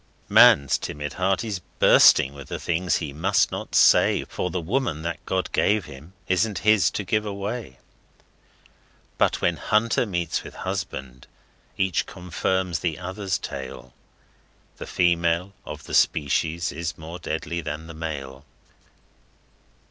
Man's timid heart is bursting with the things he must not say, For the Woman that God gave him isn't his to give away; But when hunter meets with husband, each confirms the others tale The female of the species is more deadly than the male.